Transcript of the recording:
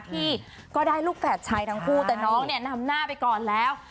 ที่ก็ได้ลูกแฝดชายทั้งคู่แต่น้องเนี่ยนำหน้าไปก่อนแล้ว